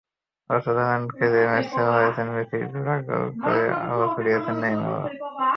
অসাধারণ খেলে ম্যাচসেরা হয়েছেন মেসি, জোড়া গোল করে আলো ছড়িয়েছেন নেইমারও।